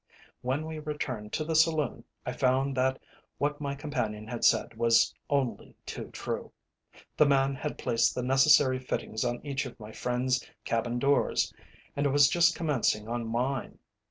When we returned to the saloon, I found that what my companion had said was only too true. The man had placed the necessary fittings on each of my friends' cabin doors, and was just commencing on mine.